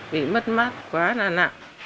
vì mất mát quá là nặng